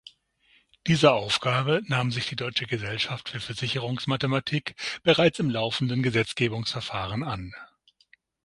Dieser Aufgabe nahm sich die Deutsche Gesellschaft für Versicherungsmathematik bereits im laufenden Gesetzgebungsverfahren an.